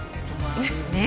ねえ。